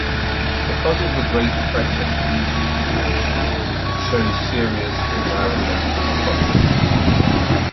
Because of the great pressure to use its resources it shows serious environmental problems.